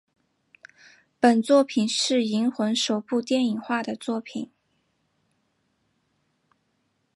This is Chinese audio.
本作品是银魂首部电影化的作品。